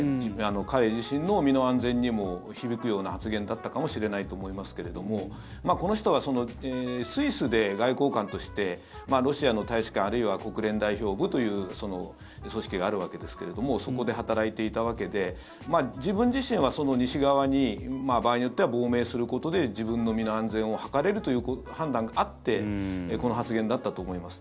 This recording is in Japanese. ちょっと、色々あつれきを受けるというかですね彼自身の身の安全にも響くような発言だったかもしれないと思いますけれどもこの人はスイスで外交官としてロシアの大使館あるいは国連代表部という組織があるわけですけれどもそこで働いていたわけで自分自身は西側に場合によっては亡命することで自分の身の安全を図れるという判断があってこの発言だったと思います。